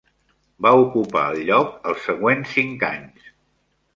Va ocupar el lloc els següents cinc anys.